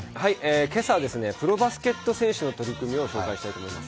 今朝はプロバスケット選手の取り組みを紹介したいと思います。